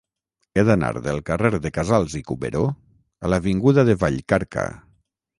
He d'anar del carrer de Casals i Cuberó a l'avinguda de Vallcarca.